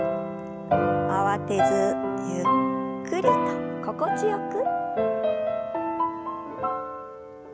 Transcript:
慌てずゆっくりと心地よく。